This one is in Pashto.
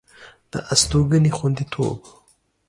د استوګنې خوندیتوب